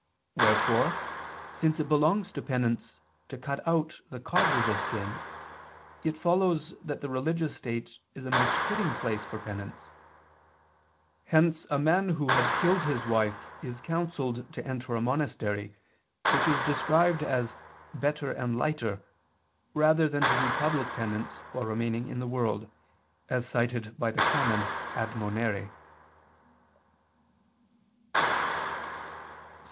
Wherefore since it belongs to penance to cut out the causes of sin, it follows that the religious state is a most fitting place for penance. Hence (XXXIII, qu. ii, cap. Admonere) a man who had killed his wife is counseled to enter a monastery which is described as "better and lighter," rather than to do public penance while remaining in the world. _______________________ SECOND ARTICLE [II II, Q.